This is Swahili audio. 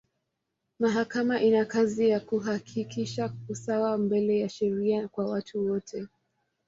Mahakama ina kazi ya kuhakikisha usawa mbele ya sheria kwa watu wote.